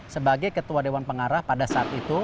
sebagai ketua dewan pengarah pada saat itu